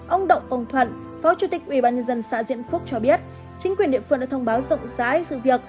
ông động công thuận phó chủ tịch ubnd xã diện phúc cho biết chính quyền địa phương đã thông báo rộng rãi sự việc